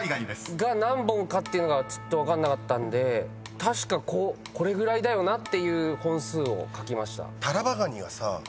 が何本かっていうのがちょっと分かんなかったんで確かこれぐらいだよなっていう本数を描きました。